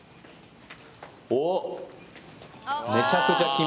おっ！